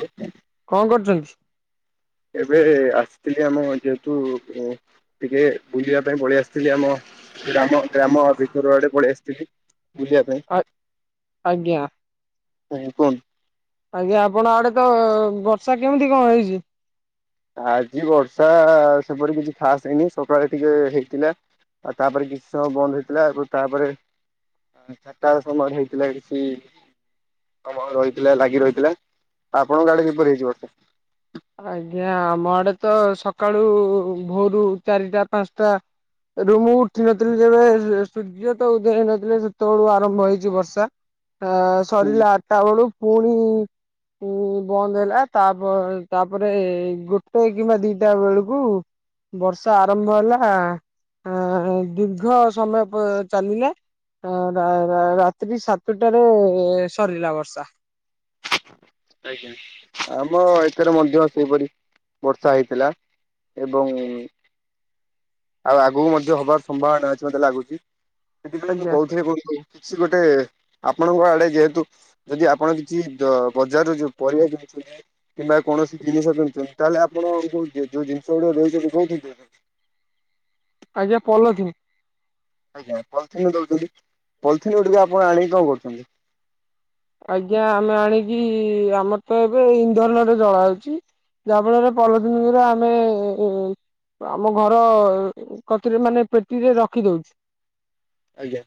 ହ କଣ କରୁଛନ୍ତି? ଏବେ ଆସିଥିଲି ଆମ ଯେହେତୁ ଟିକେ ବୁଲିବା ପାଇଁ ପଳେଇ ଆସିଥିଲି, ଆମ ଗ୍ରାମ ଗ୍ରାମ ଭିତର ଆଡେ ପଳେଇ ଆସିଥିଲି, ବୁଲିଆ ଆ ଆଜ୍ଞା। ଆଜ୍ଞା କୁହନ୍ତୁ ଆଜ୍ଞା ଆପଣ ଆଡେ ତ ବର୍ଷା କେମିତି କଣ ହେଇଛି? ଆଜି ବର୍ଷା ସେପରି କିଛି ଖାସ୍ ହେଇନି ସକାଳେ ଟିକେ ହେଇଥିଲା। ଆଉ ତାପରେ କିଛି ସମୟ ବନ୍ଦ ହେଇଥିଲା ଆଉ ତାପରେ ଚାରିଟା ସମୟରେ ହେଇଥିଲା କିଛି [unintelligible] ରହିଥିଲା ଲାଗି ରହିଥିଲା ଆପଣଙ୍କ ଆଡେ କିପରି ହେଇଛି ବର୍ଷା? ଆଜ୍ଞା ଆମ ଆଡେ ତ ସକାଳୁ ଭୋରୁ ଚାରିଟା ପାଞ୍ଚଟା ରୁ ମୁଁ ଉଠି ନଥିଲି ଯେବେ ସୂର୍ଯ୍ୟ ତ ଉଦୟ ହେଇ ନଥିଲେ ସେତେବେଳୁ ଆରମ୍ଭ ହେଇଛି ବର୍ଷା ଅ ସରିଲା ଆଠଟା ବେଳୁ ପୁଣି ଉ ବନ୍ଦ ହେଲା ତାପରେ ତାପରେ ଗୋଟେ କିମ୍ବା ଦିଟା ବେଳକୁ ବର୍ଷା ଆରମ୍ଭ ହେଲା ଆ ଦୀର୍ଘ ସମୟ ପ ଚାଲିଲେ ଆ ରା -ରା ରାତ୍ରି ସାତଟାରେ ସରିଲା ବର୍ଷା। ଆଜ୍ଞା ଆମ ଏଥିରେ ମଧ୍ୟ ସେଇପରି ବର୍ଷା ହେଇଥିଲା। ଏବଂ ଆଉ ଆଗକୁ ମଧ୍ୟ ହବାର ସମ୍ଭାବନା ଅଛି ମତେ ଲାଗୁଛି ସେଥିପାଇଁ ମୁଁ ଆଜ୍ଞା କହୁଥିଲି କଣ କି କିଛି ଗୋଟେ ଆପଣଙ୍କ ଆଡେ ଯେହେତୁ ଯଦି ଆପଣ କିଛି ଦ ବଜାର ଯୋଉ ପରିବା କିଣୁଛ କିମ୍ବା କୌଣସି ଜିନିଷ କିଣୁଛନ୍ତି ତାହେଲେ ଆପଣ କୋଉ ଯୋଉ ଜିନିଷ ଗୁଡିକ ଦଉଛନ୍ତି କୋଉଥିରେ ଦେଉଛନ୍ତି? ଆଜ୍ଞା ପଲ ଥିନ୍ ଆଜ୍ଞା ପଲିଥିନ ଦଉଛନ୍ତି ପଲିିଥିନ ଗୁଡ଼ିକ ଆପଣ ଆଣିକି କଣ କରୁଛନ୍ତି? ଆଜ୍ଞା ଆମେ ଆଣିକି ଆମର ତ ଏବେ ଇନ୍ଧନରେ ଜଳା ହଉଛି। ଯାହା ଫଳରେ ପଲଥିନ ଗୁରା ଆମେ ଆମ ଘର କତିରେ ମାନେ ପେଟିରେ ରଖିଦଉଛୁ। ଆଜ୍ଞା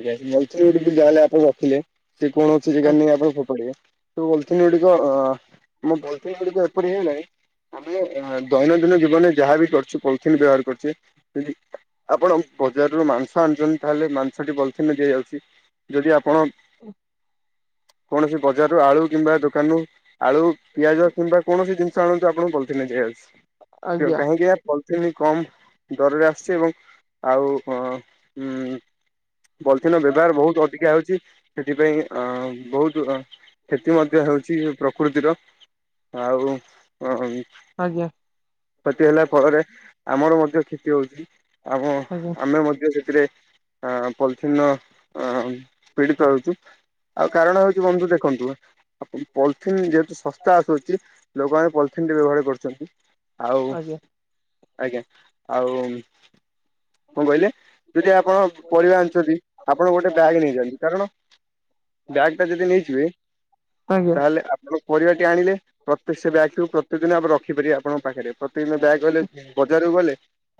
ଆଜ୍ଞା [unintelligible] ଯାହାଲେ ଆପଣ ରଖିଲେ ସେ କୌଣସି ଯେଗାରେ ନେଇ ଆପଣ ଫୋପାଡ଼ିବେ ସେ ପଲଥିନ ଗୁଡିକ ଅ [unintelligible] ପଲଥିନ ଗୁଡିକ ଏପରି ହେଇଗଲାଣି ଆମେ ଆ -ଦୈନନ୍ଦିନ ଜୀବନରେ ଯାହାଵି କରୁଛୁ ପଲିଥିନ ବ୍ୟବହାର କରୁଛେ [unintelligible] ଆପଣ ବଜାରରୁ ମାଂସ ଆଣୁଛନ୍ତି ତାହେଲେ ମାଂସଟି ପଲଥିନ ରେ ଦିଆଯାଉଛି ଯଦି ଆପଣ ଉଁ କୌଣସି ବଜାର ରୁ ଆଳୁ କିମ୍ବା ଦୋକାନରୁ ଆଳୁ ପିଆଜ କିମ୍ବା କୌଣସି ଜିନିଷ ଆଣନ୍ତୁ ଆପଣଙ୍କୁ ପଲଥିନରେ ଆଜ୍ଞା ଦିଆଯାଉଛି। ଆଜ୍ଞା କାହିଁକି ନା ପଲିଥିନ୍ କମ ଦରରେ ଆସୁଛି ଏବଂ ଆଉ ଅ ହୁଁ ପଲିଥିନର ବ୍ୟବହାର ବହୁତ ଅଧିକା ହେଉଛି ସେଥିପାଇଁ ଅ ବହୁତ କ୍ଷତି ମଧ୍ୟ ହେଉଛି ପ୍ରକୃତିର ଆଉ ଉଁ ଆଜ୍ଞା କ୍ଷତି ହେଲା ଫଳରେ ଆମର ମଧ୍ୟ କ୍ଷତି ହଉଛି। ଆମ ଆଜ୍ଞା। ଆମେ ମଧ୍ୟ ସେଥିରେ ଅ ପଲିଥିନର ଆ -ପୀଡ଼ିତ ହେଉଛୁ। ଆଉ କାରଣ ହଉଛି ବନ୍ଧୁ ଦେଖନ୍ତୁ ଆପଣ ପଲିଥିନ୍ ଯେହେତୁ ଶସ୍ତା ଆସୁଅଛି ଲୋକମାନେ ପଲିଥିନ୍ଟି ବ୍ୟବହାର କରୁଛନ୍ତି। ଆଉ ଆଜ୍ଞା ଆଜ୍ଞା ଆଉ କଣ କହିଲେ ଯଦି ଆପଣ ପରିବା ଆଣୁଛନ୍ତି ଆପଣ ଗୋଟେ ଆଜ୍ଞା। ବ୍ୟାଗ୍ ନେଇଛନ୍ତି କାରଣ ବ୍ୟାଗ୍ ଟା ଯଦି ନେଇଯିବେ ଆଜ୍ଞା ଆଜ୍ଞା ତାହେଲେ ଆପଣ ପରିବାଟି ଆଣିଲେ ପ୍ରତେକ ସେ ବ୍ୟାଗଟିକୁ ପ୍ରତ୍ୟେକ ଦିନ ଆମେ ରଖିପାରିବା ଆପଣଙ୍କ ପାଖରେ ପ୍ରତ୍ୟେକ ଦିନ ବ୍ୟାଗ୍ ହେଲେ ବଜାରକୁ ଗଲେ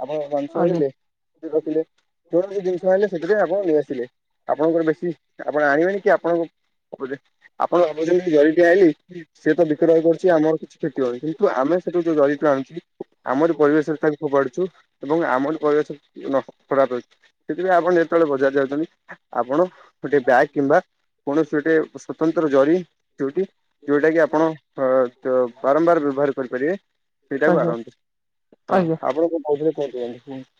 ଆମ ମାଂସ ଆଣିଲେ ସେ ରଖିଲେ କୌଣସି ଜିନିଷ ଆଣିଲେ ସେଥିରେ ଆପଣ ନେଇଆସିଲେ ଆପଣଙ୍କର ବେଶୀ ଆପଣ ଆଣିବେନି କି ଆପଣଙ୍କ ବୋଧେ ଆପଣ ଏବେ ଯଉ ଜରିିଟି ଆଇଲି ସିଏ ତ ବିକ୍ରୟ କରୁଛି ଆମର କିଛି କ୍ଷତି ହବନି କିନ୍ତୁ ଆମେ ସେଠୁ ଯୋଉ ଜରିଠୁ ଆଣୁଚି ଆମର ପରିବେଶରେ ତାକୁ ଫୋପାଡୁଛୁ ଏବଂ ଆମରି ପରିବେଶ [unintelligible] ସେଥିପାଇଁ ଆପଣ ଯେତେବେଳେ ବଜାର ଯାଉଛନ୍ତି ଆପଣ ଗୋଟେ ବ୍ୟାଗ କିମ୍ବା କୌଣସି ଗୋଟେ ସ୍ଵତନ୍ତ୍ର ଜରି ଯୋଉଠି ଯୋଉଟାକି ଆପଣ ବାରମ୍ବାର ବ୍ୟବହାର କରିପାରିବେ, ସେଇଟାକୁ ଆଣନ୍ତୁ। ହଁ ଆପଣ କଣ କହୁଥିଲେ କୁହନ୍ତୁ। [unintelligible]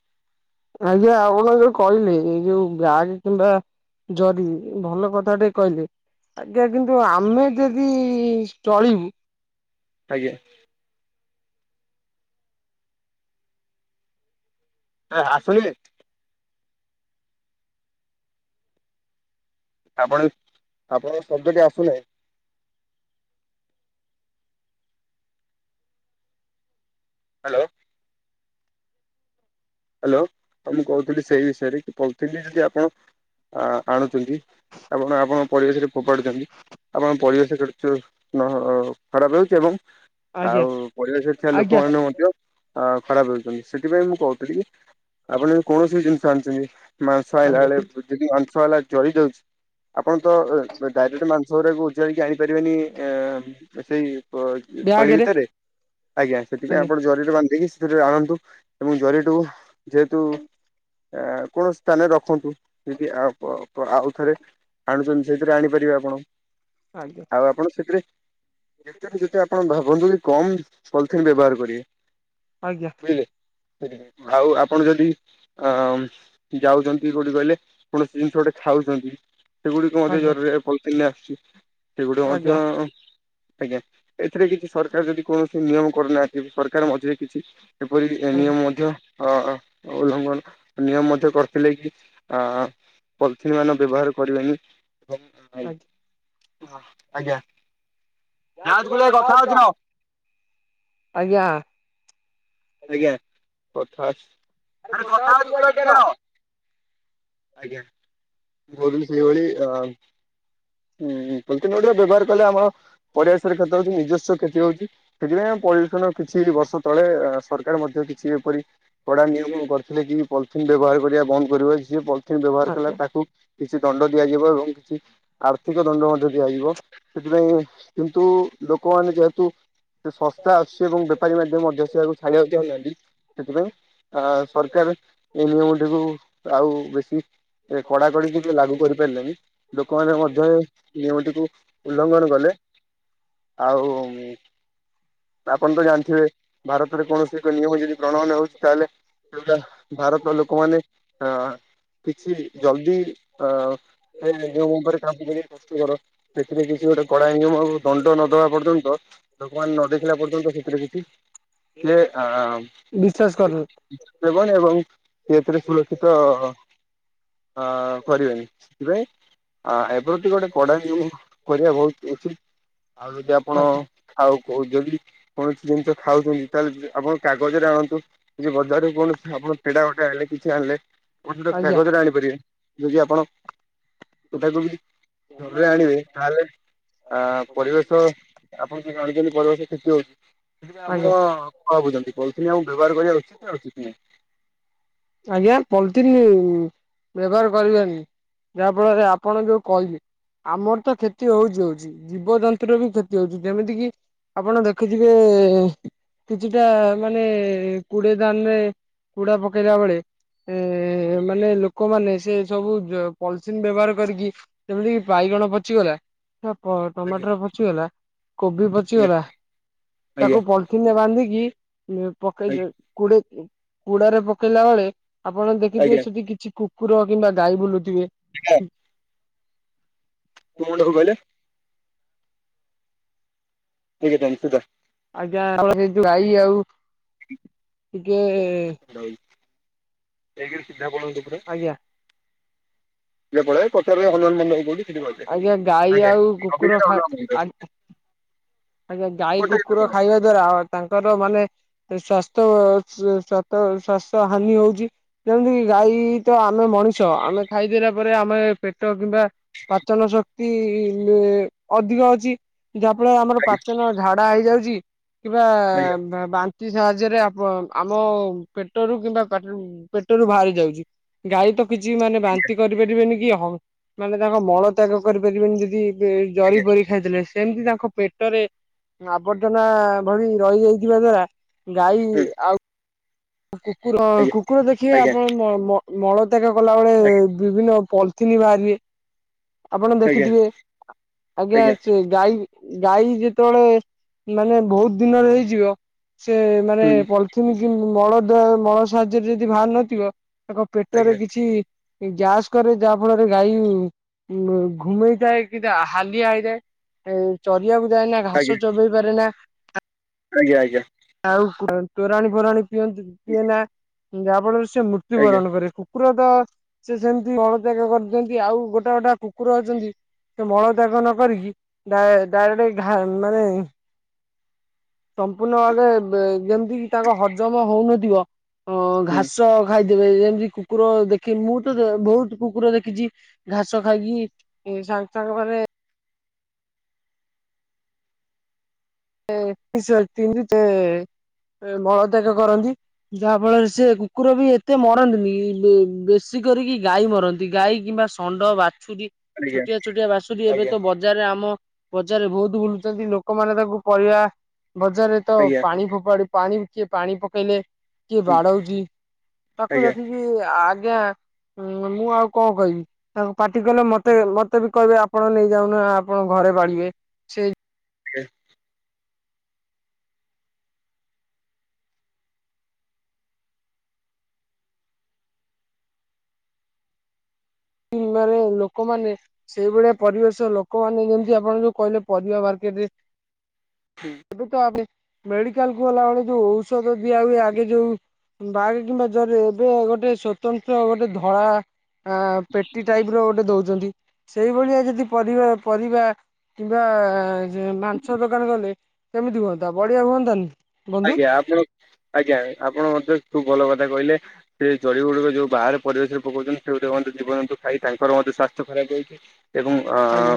ଆଜ୍ଞା ଆପଣ ଯଉ କହିଲେ ଏଇ ଯୋଉ ବ୍ୟାଗ କିମ୍ବା ଜରି ଭଲ କଥା ଟେ କହିଲେ। ଆଜ୍ଞା କିନ୍ତୁ ଆମେ ଯଦି ଚଳିବୁ ଆଜ୍ଞା। [unintelligible] ଆପଣ ଆପଣଙ୍କ ଶବ୍ଦଟି ଆସୁନାହିଁ। ହାଲୋ। ହ୍ୟାଲୋ। ହଉ ମୁଁ କହୁଥିଲି ସେଇ ବିଷୟରେ କି ପଲିଥିନ୍ ଯଦି ଆପଣ ଆଣୁଛନ୍ତି ଆପଣ ଆପଣଙ୍କ ପରିବେଶରେ ଫୋପାଡୁଛନ୍ତି। ଆପଣଙ୍କ ପରିବେଶ [unintelligible] ଖରାପ ହେଉଚି ଏବଂ ଆଜ୍ଞା ଆଉ ପରିବେଶରେ ଥିବା ଆଜ୍ଞା ଲୋକମାନେ ମଧ୍ୟ ଅ ଖରାପ ହଉଛନ୍ତି। ସେଥିପାଇଁ ମୁଁ କହୁଥିଲି କି ଆପଣ ଯଦି କୌଣସି ବି ଜିନିଷ ଆଣିଛନ୍ତି, ମାଂସ ଆଇଁଲା ଆଜ୍ଞା ବେଳେ ଯଦି ମାଂସ ବାଲା ଜରି ଦଉଚି ଆପଣ ତ ଡାଇରେକ୍ଟ ମାଂସ ଉଜାଡ଼ିକି ଆଣିପାରିବେନି ଏ ସେଇ ପ ଥଳି ବ୍ୟାଗରେ ଭିତରେ, ଆଜ୍ଞା ସେଥିପାଇଁ ଆଜ୍ଞା ଆପଣ ଜରିରେ ବାନ୍ଧିକି ଦେଇକି [unintelligible] ଆଣନ୍ତୁ। ଏବଂ ଜରିଟିକୁ ଯେହେତୁ କୌଣସି ସ୍ଥାନ ରେ ରଖନ୍ତୁ। ଯଦି ଆଉ ପ ପ ଆଉ ଥରେ ଆଣୁଛନ୍ତି ସେଇଥିରେ ଆଣିପାରିବେ ଆପଣ। ଆଜ୍ଞା। ଆଉ ଆପଣ ସେଥିରେ ଯେତେ ରୁ ଯେତେ ଆପଣ ଭାବନ୍ତୁ କି କମ୍ ପଲିଥିନ୍ ବ୍ୟବହାର କରିବେ। ଆଜ୍ଞା। ଆଉ ଆପଣ ଯଦି ଅମ୍ ଯାଉଛନ୍ତି କୋଉଠି କହିଲେ କୌଣସି ଜିନିଷ ଗୋଟେ ଖାଉଛନ୍ତି ସେଗୁଡ଼ିକ ମଧ୍ୟ ଆଜ୍ଞା ଜରିରେ ପଲିଥିନ୍ ରେ ଆସୁଚି। ସେଗୁଡ଼ିକ ଆଜ୍ଞା ମଧ୍ୟ ଆଜ୍ଞା। ଏଥିରେ କିଛି ସରକାର ଯଦି କୌଣସି ନିୟମ କରିନାହାନ୍ତି ସରକାର ମଝିରେ କିଛି ଏପରି ଏ ଆଜ୍ଞା ନିୟମ ମଧ୍ୟ ଅ ଉଲ୍ଲଂଘନ ନିୟମ ମଧ୍ୟ କରିଥିଲେ କି ଅ ପଲିଥିନ ମାନ ବ୍ୟବହାର କରିବେନି। ଏବଂ ଆଜ୍ଞା। ଆଜ୍ଞା [unintelligible] କଥା ହଉଛି ର ହଉଚି ରହ। ଆଜ୍ଞା। ଆଜ୍ଞା। କଥା ଅଛି। ଆରେ କଥା ହଉଛି ହଉଚି ଗୁଲୁ ଭାଇ ଟିକେ ର [unintelligible] ରହ। ଆଜ୍ଞା। ମୋର ବି ସେଇଭଳି ଅ ଉଁ, ପଲିଥିନ [unintelligible] ବ୍ୟବହାର କଲେ ଆମ ପରିବେଶରେ କ୍ଷତି ହଉଚି। ନିଜସ୍ୱ କ୍ଷତି ହଉଚି। ସେଥିପାଇଁ ଆମର ପରିବେଶ ର କିଛି ବର୍ଷ ତଳେ ସରକାର ମଧ୍ୟ କିଛି ଏପରି କଡା ନିୟମ କରିଥିଲେ କି ପଲିଥିନ୍ ବ୍ୟବହାର କରିବା ବନ୍ଦ କରିବ। ଯିଏ ପଲିଥିନ୍ ବ୍ୟବହାର କଲା ଆଜ୍ଞା ତାକୁ କିଛି ଦଣ୍ଡ ଦିଆଯିବ। ଏବଂ କିଛି ଆର୍ଥିକ ଦଣ୍ଡ ମଧ୍ୟ ଦିଆଯିବ। ସେଥିପାଇଁ କିନ୍ତୁ ଲୋକମାନେ ଯେହେତୁ ସେ ଶସ୍ତା ଆସୁଚି। ଏବଂ ବେପାରୀ ମାନେ ମଧ୍ୟ ସେଇଆ କୁ ଛାଡିବାକୁ ଚାହୁଁନାହାନ୍ତି ସେଥିପାଇଁ ଆ ସରକାର ଏଇ ନିୟମଟିକୁ ଆଉ ବେଶୀ ଏ କଡାକଡି ରୂପେ ଲାଗୁ କରିପାରିଲେନି। ଲୋକମାନେ ମଧ୍ୟ ନିୟମଟିକୁ ଉଲ୍ଲଂଘନ କଲେ। ଆଉ, ଆପଣ ତ ଜାଣିଥିବେ ଯୋଉଟା କୌଣସି ଏକ ନିୟମ ଯଦି ପ୍ରଣୟନ ହଉଚି ତାହେଲେ ସେଉଟା ଭାରତର ଲୋକମାନେ ଅ କିଛି ଜଲଦି ଅ ଏ ନିୟମ ଉପରେ କାମ କରିବା କଷ୍ଟ କର। ଏଥିରେ କିଛି ଗୋଟେ କଡା ନିୟମ ଆଉ ଦଣ୍ଡ ନଦବା ପର୍ଯ୍ୟନ୍ତ ଲୋକମାନେ ନ ଦେଖିଲା ପର୍ଯ୍ୟନ୍ତ ସେଥିରେ କିଛି। [unintelligible] [unintelligible] [unintelligible] ଏବଂ ସେ ଏଥିରେ ସୁରକ୍ଷିତ ହଁ କରିବେନି ସେଥିପାଇଁ ଆ ଏ ପ୍ରତି ଗୋଟେ କଡ଼ା ନିୟମ କରିବା ବୋହୁତ [unintelligible] ଆଉ [unintelligible] ଆ ଆପଣ ଆଜ୍ଞା ଖାଉ କୋହୁଚନ୍ତି ପୁଣି ଯୋଉ ଜିନଷ ଖାଉଚନ୍ତି ତାହେଲେ ଆପଣ କାଗଜରେ ଆଣନ୍ତୁ କିଛି ବଜାରରେ କୌଣସି ଆପଣ ପେଡା ଗୋଟେ ଆଣିଲେ କିଛି ଆଣିଲେ ଆପଣ ସେଟା ଆଜ୍ଞା କାଗଜରେ ଆଣିପାରିବେ ଯଦି ଆପଣ [unintelligible] ଆଜ୍ଞା ଜରିରେ ଆଣିବେ ତାହେଲେ ଆ ପରିବେଶ ଆପଣ ତ ଜାଣିଚନ୍ତି ପରିବେଶ କ୍ଷତି ହୋଉଚି ସେଥିପାଇଁ ଆପଣ କଣ ଭାବୁଚନ୍ତି ପଲିଥିନ ଆମକୁ ବ୍ୟବହାର କରିବା ଉଚିତ ନା ଉଚିତ୍ ନୁହେଁ। ଆଜ୍ଞା ପଲିଥିନ୍ ବ୍ୟବହାର କରିବାନି। ଯାହା ଫଳରେ ଆପଣ ଯୋଉ କହିଲେ ଆମର ତ କ୍ଷତି ହୋଉଚି ହୋଉଚି ଜୀବଜନ୍ତୁର ବି କ୍ଷତି ହୋଉଚି ଯେମିତି କିି ଆପଣ ଦେଖିଥିବେ କିଛିଟା ମାନେ କୁଡେ ଧାନରେ କୁଡା ପ ପକେଇଲା ବେଳେ ଏ ମାନେ ଲୋକମାନେ ସେ ସବୁ ଜ ପଲିଥିନ୍ ବ୍ୟବହାର କରିକି କେମିତି କି ବାଇଗଣ ପଚିଗଲା ଆ ପ ଆଜ୍ଞା ଟମାଟର ପଚିଗଲା, କୋବି ଆଜ୍ଞା ପଚିଗଲା ଆଜ୍ଞା ତାକୁ ପଲ୍ ପଲିଥିନରେ ବାନ୍ଧିକି ଇଏ ପକେଇ ଆଜ୍ଞା। ଦେ କୁଡେଇ କୁଡାରେ ପକେଇଲା ବେଳେ ଆପଣ ଦେଖିଥିବେ ଆଜ୍ଞା ସେଠି କିଛି କୁକୁର କିମ୍ବା ଗାଈ ବୁଲୁଥିବେ। [unintelligible] କଣ ଟାକୁ କହିଲେ। ସେଇ [unintelligible] ଆଜ୍ଞା [unintelligible] ଗାଈ ଆଉ ଟିକେ ଠିକି ସିଧା ପଳାନ୍ତୁ ପୁରା ଆଜ୍ଞା ଟିକେ ପଳେଇବେ ପଚାରିବେ ହନୁମାନ ମନ୍ଦିରକୁ କୋଉଠି ସେଇଠି ଆଜ୍ଞା ଗାଈ କହିଦେବେ ଆଉ କୁକୁର ଆଜ୍ଞା [inaudible] ଖା ଆଜ୍ଞା ଗାଈ, କୋଟାକ କୁକୁର ଖାଇବା ଦ୍ଵାରା ଆ ତାଙ୍କର ମାନେ ଏ ସ୍ୱାସ୍ଥ୍ୟ ସ-ସ୍ୱାସ୍ଥ୍ୟ ସ୍ଵାସ୍ଥ୍ୟ ହାନି ହୋଉଚି। ଯେମିତିକି ଗାଈ ତ ଆମେ ମଣିଷ ଆମେ ଖାଇଦେଲା ପରେ ଆମେ ପେଟ କିମ୍ବା ପାଚନ ଶକ୍ତି ଇ ମ୍ ଅଧିକ ଅଛି ଯାହାଫଳରେ ଆମର ଆଜ୍ଞା କି ନହ ଝାଡା ହେଇଯାଉଚି କିମ୍ବା ଆଜ୍ଞା ବା ବାନ୍ ତି ସାହାଯ୍ୟରେ ଆପ ଆମ ପେଟରୁ କିମ୍ବା ପାଟରୁ ପେଟରୁ ବାହାରି ଯାଉଚି। ଗାଈ ତ କିଛି ମାନେ ବାନ୍ତି କରିପାରିବେନି କି ହ ମାନେ ତାଙ୍କ ମଳ ତ୍ୟାଗ କରିପାରିବେନି ଯଦି ଏତେ ଜରି ଆଜ୍ଞା ଫରି ଖାଇଦେଲେ ସେମତି ତାଙ୍କ ପେଟରେ ଆବର୍ଜନା ଭଳି ରହିଯାଇଥିବା ଦ୍ଵାରା ଗାଈ ହୁଁ ଆଉ କୁକୁର କୁକୁର ଦେଖିବେ ଆଜ୍ଞା ଆପଣ ମ-ମ-ମଳତ୍ୟାଗ କଲାବେଳେ ବିଭିନ୍ନ ପଲ୍ ଥିନି ବାହାରିବେ ଆପଣ ଆଜ୍ଞା ଆଜ୍ଞା ଦେଖିଥିବେ ଆଜ୍ଞା ସେ ଗାଈ ଗାଈ ଯେତେବେଳେ ମାନେ ବୋହୁତ ଦିନର ହେଇଯିବ ସେ ମାନେ ହୁଁ ପଲିଥିନ୍ କିମ୍ ମଳଦ୍ଵା ମଳ ସାହାଯ୍ୟରେ ଯଦି ବାହାର ନଥିବ ତାଙ୍କ ପେଟରେ ଆଜ୍ଞା କିଛି ଗ୍ୟାସ୍ କରେ ଯାହା ଫଳରେ ଗାଈ ଉଁ ଘୁମେଇଥାଏ କିନ୍ତୁ ହାଲିଆ ହେଇଥାଏ ଏଇ ଚରିବାକୁ ଯାଏନା ଆଜ୍ଞା ଘାସ ଚୋବେଇ ପାରେନା। ଆଜ୍ଞା ଆଜ୍ଞା। ଆଉ ତୋରାଣୀ ଫୋରାଣୀ ପିଅନ୍ତି ପିଏନା ଉଁ ଯାହା ଫଳରେ ସିଏ ମୃତ୍ୟୁ ବରଣ କରେ କୁ କୁକୁର ତ ସିଏ ସେମତି ମଳତ୍ୟାଗ କରିଦିଅନ୍ତି ଆଉ ଗୋଟା ଗୋଟା କୁକୁର ଅଛନ୍ତି ସିଏ ମଳ ତ୍ୟାଗ ନ କରିକି ଡାଇ ଡାଇରେକ୍ଟ ଘା ମାନେ ସମ୍ପୂର୍ଣ୍ଣ ଭାବେ ବେ ଯେମିତି କି ତାଙ୍କ ହଜମ ହୋଉନଥିବ ଅଁ ଘାସ ଖାଇଦେବେ ଯେମତି କୁକୁର ଦେଖି ମୁଁ ତ ଯ ବୋହୁତ କୁକୁର ଦେଖିଚି ଘାସ ଖାଇକି ଇ ସାଙ୍ଗ ସାଙ୍ଗ ମାନେ ଏ [unintelligible] ସେ ଏ ମଳତ୍ୟାଗ କରନ୍ତି। ଯାହା ଫଳରେ ସେ କୁକୁର ବି ଏତେ ମରନ୍ତିନି ବେ-ବେଶୀ କରିକି ଗାଈ ମରନ୍ତି ଗାଈ କିମ୍ବା ଷ୍ ଷଣ୍ଡ, ବାଛୁରୀ ଛୋଟିଆ ଛୋଟିଆ ବାସୁରୀ ଏବେ ତ ବଜାରରେ ଆମ ବଜାରରେ ବହୁତ ବୁଲୁଛନ୍ତି ଲୋକମାନେ ତାକୁ ପରିବା ବଜାରରେ ତ ପାଣି ଫୋପାଡ ପାଣି କିଏ ପାଣି ପକେଇଲେ କିଏ ହୁଁ ବାଡଉଛି ଆଜ୍ଞା ତାକୁ ଦେଖିକି ଆଜ୍ଞା ମୁଁ ଆଉ କଣ କହିବି। ତାଙ୍କୁ ପାଟି କଲେ ମତେ ମତେ ବି କହିବେ ଆପଣ ନେଇଯାଉନ ଆପଣ ଘରେ ପାଳିବେ। ସେ [unintelligible] ଉଁ ମାନେ ଲୋକମାନେ ସେଇଭଳିଆ ପରିବେଶ ଲୋକମାନେ ଯେମିତି ଆପଣ ଯୋଉ କହିଲେ ପରିବା ମାର୍କେଟରେ ହୁଁ। ଏବେ ତ ଆମେ ମେଡିକାଲ କୁ ଗଲାବେଳେ ଯୋଉ ଔଷଧ ଦିଆ ହୁଏ ଆଗେ ଯୋଉ ବାଗ କିମ୍ବା ଜରିରେ ଏବେ ଗୋଟେ ସ୍ୱତନ୍ତ୍ର ଗୋଟେ ଧଳା ଆ ପେଟି ଟାଇପ ର ଗୋଟେ ଦଉଛନ୍ତି, ସେଇଭଳିଆ ଯଦି ପରିବା ପରିବା କିମ୍ବା ମାଂସ ଦୋକାନ ଗଲେ କେମିତି ହୁଅନ୍ତା ବଢିଆ ହୁଅନ୍ତାନି। ବନ୍ଧୁ ଆଜ୍ଞା ଆପଣ ଆଜ୍ଞା ଆପଣ ମତେ ଖୁବ୍ ଭଲ କଥା କହିଲେ। ସେ ଜରି ଗୁଡିକ ଯୋଉ ବାହାରେ ପରିବେଶରେ ପକଉଛନ୍ତି, ସେଗୁଡିକ ମଧ୍ୟ ଜିବଜନ୍ତୁ ଖାଇ ତାଙ୍କର ମଧ୍ୟ ସ୍ୱାସ୍ଥ୍ୟ ଖରାପ ହୋଉଚି। ଏବଂ ଆ ଆଜ୍ଞା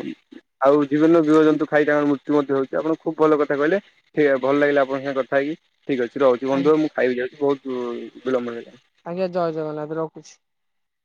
ଆଉ ଜୀବ ଜୀବଜନ୍ତୁ ଖାଇ ତାଙ୍କ ମୃତ୍ୟୁ ମଧ୍ୟ ହଉଛି, ଆପଣ ଖୁବ ଭଲ କଥା କହିଲେ ହେ ଭଲ ଲାଗିଲା ଆପଣ ଙ୍କ ସାଥେ କଥା ଥାଇକି ଠିକ ଅଛି ରହୁଛି ବନ୍ଧୁ ଆଜ୍ଞା ମୁଁ ଖାଇବି ଯାଉଛି ବହୁତ ବିଳମ୍ବ ହେଲାଣି। ଆଜ୍ଞା ଜୟ ଜଗନ୍ନାଥ ରଖୁଛି।